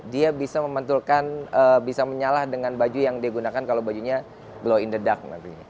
dia bisa memantulkan bisa menyalah dengan baju yang digunakan kalau bajunya glow in the dark